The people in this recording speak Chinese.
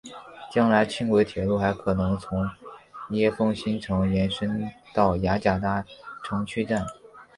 将来轻轨铁路还有可能从椰风新城延伸到雅加达城区站。